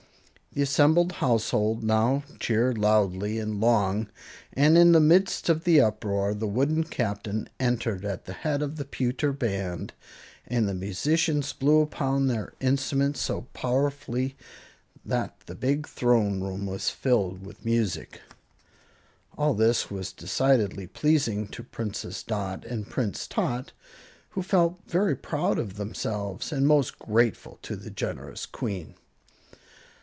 The assembled household now cheered loudly and long, and in the midst of the uproar the wooden Captain entered at the head of the pewter band, and the musicians blew upon their instruments so powerfully that the big throne room was filled with music. All this was decidedly pleasing to Princess Dot and Prince Tot, who felt very proud of themselves and most grateful to the generous Queen.